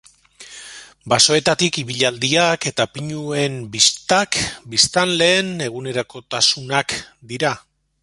Basoetatik ibilaldiak eta pinuen bistak biztanleen egunerokotasunak dira.